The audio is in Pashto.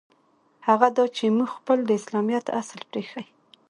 هغه دا چې موږ خپل د اسلامیت اصل پرېیښی.